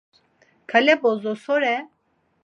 Kale bozo so re?